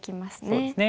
そうですね。